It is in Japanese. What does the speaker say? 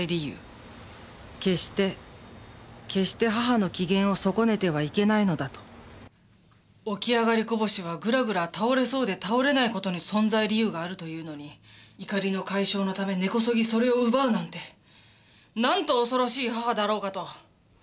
決して決して母の機嫌を損ねてはいけないのだと起き上がりこぼしはグラグラ倒れそうで倒れない事に存在理由があるというのに怒りの解消のため根こそぎそれを奪うなんてなんと恐ろしい母だろうかと。